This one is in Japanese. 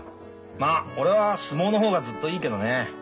まあ俺は相撲の方がずっといいけどね。